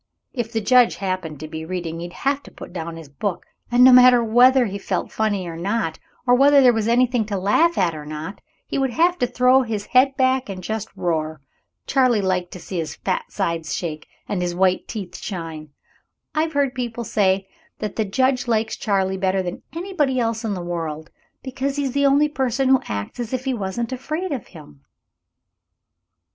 If the judge happened to be reading, he'd have to put down his book, and no matter whether he felt funny or not, or whether there was anything to laugh at or not, he would have to throw his head back and just roar. Charley liked to see his fat sides shake, and his white teeth shine. I've heard people say that the judge likes Charley better than anybody else in the world, because he's the only person who acts as if he wasn't afraid of him."